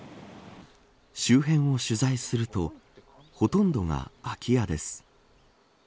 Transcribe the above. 周辺を取材するとほとんどが空き家です。